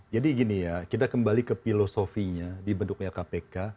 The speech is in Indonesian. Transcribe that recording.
jadi gini ya kita kembali ke filosofinya dibentuknya kpk